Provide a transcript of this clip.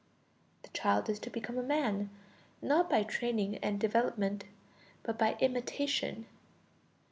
The child is to become a man, not by training and development, but by imitation.